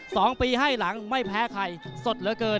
สองปีให้หลังไม่แพ้ใครสดเหลือเกิน